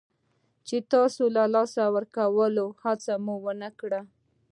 چې تاسو له لاسه ورکړل او هڅه مو ونه کړه.